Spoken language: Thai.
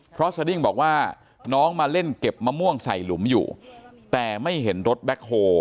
เพราะสดิ้งบอกว่าน้องมาเล่นเก็บมะม่วงใส่หลุมอยู่แต่ไม่เห็นรถแบ็คโฮ